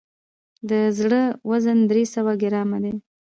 د زړه وزن درې سوه ګرامه دی.